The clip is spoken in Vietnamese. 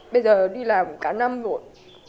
bây giờ đi làm cả năm rồi